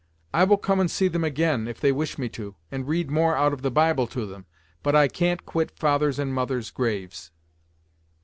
I will come and see them again, if they wish me to, and read more out of the Bible to them, but I can't quit father's and mother's graves."